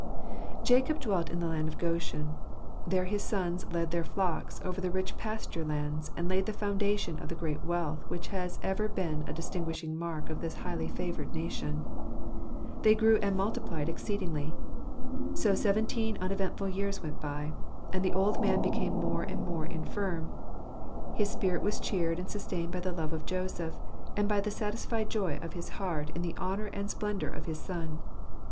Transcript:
1 ACOB dwelt in the land of Goshen ; there his sons led their flocks over the rich pasture lands, and laid the foundation of the great wealth which has ever been a distinguishing mark of this highly favoured nation. "They grew and multiplied exceedingly." So seventeen uneventful years went by. And as the old man became more and more infirm, his spirit was cheered and sustained by the love of Joseph, and by the satisfied joy of his heart in the honour and splendour of his soil.